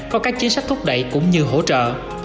có các chính sách thúc đẩy cũng như hỗ trợ